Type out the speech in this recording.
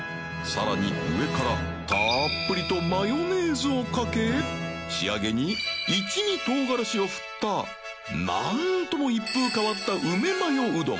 更に上からたっぷりとマヨネーズをかけ転紊欧一味唐辛子を振った燭箸一風変わった梅マヨうどん